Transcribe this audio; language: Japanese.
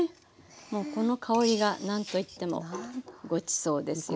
もうこの香りが何と言ってもごちそうですよね。